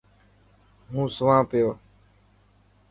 هون سوان پيو.